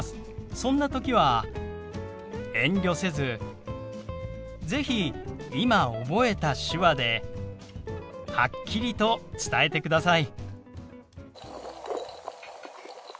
そんな時は遠慮せず是非今覚えた手話ではっきりと伝えてください。